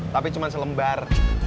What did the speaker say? tapi cuma selembar